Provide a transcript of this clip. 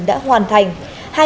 đã hoàn thành